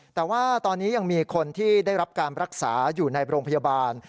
แต่ว่าตอนนี้ยังมีคนที่ได้รับการรักษาอยู่ในโรงพยาบาล